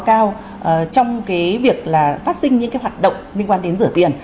cao trong cái việc là phát sinh những cái hoạt động liên quan đến rửa tiền